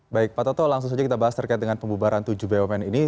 baik pak toto langsung saja kita bahas terkait dengan pembubaran tujuh bumn ini